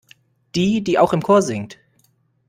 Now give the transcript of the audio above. Die, die auch im Chor singt.